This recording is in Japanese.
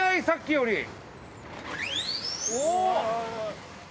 さっきより。